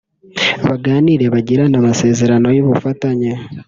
baganire bagirane amasezerano y’ubufatanye